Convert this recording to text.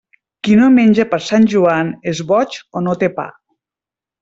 Qui no menja per Sant Joan, és boig o no té pa.